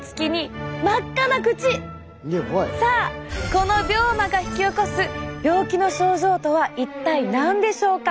この病魔が引き起こす病気の症状とは一体何でしょうか？